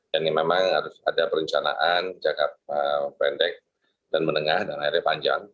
dan memang ada perencanaan jangka pendek dan menengah dan akhirnya panjang